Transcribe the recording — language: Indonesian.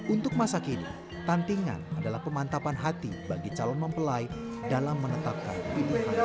untuk masa kini tantingan adalah pemantapan hati bagi calon mempelai dalam menetapkan pilihan